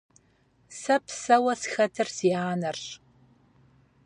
Сэ псэуэ схэтыр си анэрщ.